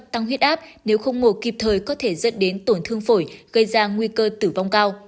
tăng huyết áp nếu không ngồi kịp thời có thể dẫn đến tổn thương phổi gây ra nguy cơ tử vong cao